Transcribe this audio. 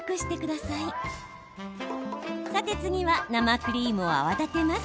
さて次は生クリームを泡立てます。